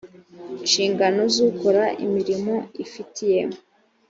nshingano z ukora imirimo ifitiye